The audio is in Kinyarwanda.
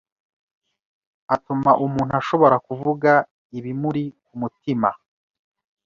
atuma umuntu ashobora kuvuga ibimuri ku mutima